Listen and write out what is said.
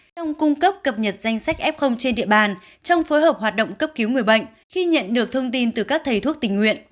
thông cung cấp cập nhật danh sách f trên địa bàn trong phối hợp hoạt động cấp cứu người bệnh khi nhận được thông tin từ các thầy thuốc tình nguyện